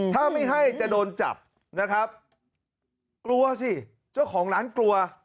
ถ้าไม่ให้จะโดนจับนะครับกลัวสิเจ้าของร้านกลัว